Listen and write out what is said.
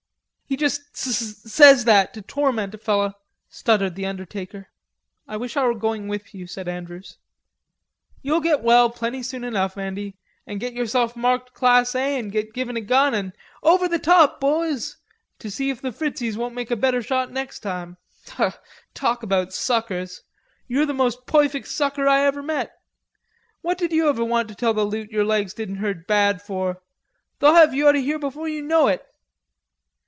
"He juss s s says that to torment a feller," stuttered the undertaker. "I wish I were going with you," said Andrews. "You'll get well plenty soon enough, Andy, and get yourself marked Class A, and get given a gun, an 'Over the top, boys!'... to see if the Fritzies won't make a better shot next time.... Talk about suckers! You're the most poifect sucker I ever met.... What did you want to tell the loot your legs didn't hurt bad for? They'll have you out o' here before you know it....